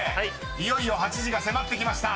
いよいよ８時が迫ってきました］